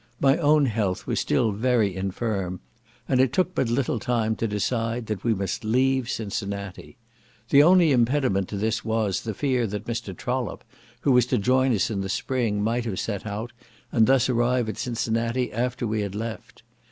My own health was still very infirm, and it took but little time to decide that we must leave Cincinnati. The only impediment to this was, the fear that Mr. Trollope, who was to join us in the Spring, might have set out, and thus arrive at Cincinnati after we had left it.